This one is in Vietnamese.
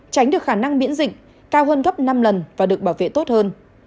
tránh được khả năng miễn dịch cao hơn gấp năm lần và được bảo vệ tốt hơn